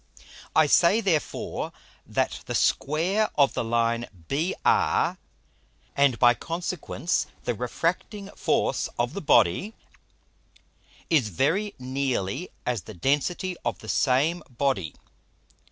I say therefore, that the Square of the Line BR, and by consequence the refracting Force of the Body, is very nearly as the density of the same Body.